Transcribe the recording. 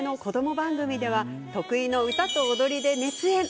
番組では得意の歌と踊りで熱演。